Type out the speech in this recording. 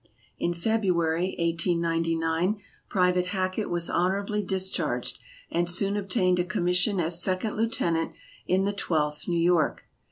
In February, 1899, Private Hackett was honorably discharged, and soon obtained a commission as Second Lieutenant in the Twelfth New York.